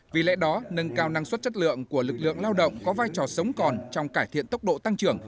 vì lẽ đó nâng cao năng suất chất lượng của lực lượng lao động có vai trò sống còn trong cải thiện tốc độ tăng trưởng